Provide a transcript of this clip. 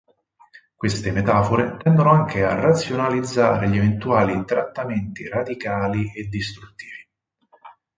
Queste metafore tendono anche a razionalizzare gli eventuali trattamenti radicali e distruttivi.